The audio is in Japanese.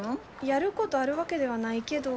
やることあるわけではないけど。